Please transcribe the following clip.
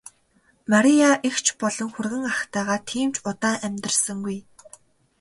Мария эгч болон хүргэн ахтайгаа тийм ч удаан амьдарсангүй.